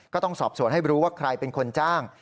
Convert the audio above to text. ก็ต้องสอบสวนให้รู้ว่าใครเป็นคนจ้าง